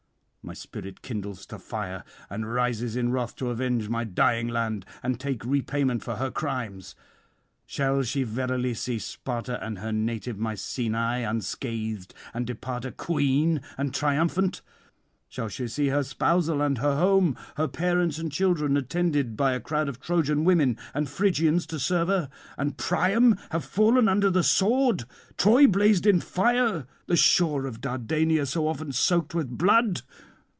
My spirit kindles to fire, and rises in wrath to avenge my dying land and take repayment for her crimes. Shall she verily see Sparta and her native Mycenae unscathed, and depart a queen and triumphant? Shall she see her spousal and her home, her parents and children, attended by a crowd of Trojan women and Phrygians to serve her? and Priam have fallen under the sword? Troy blazed in fire? the shore of Dardania so often soaked with blood?